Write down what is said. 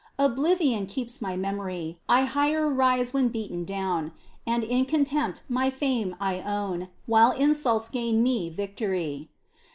Obhvion keeps my memory ; I higher rise when beaten down, And in contempt my fame I own, While insults gain me victory.